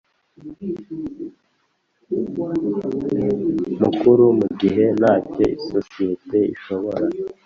Mukuru mu gihe ntacyo isosiyete ishobora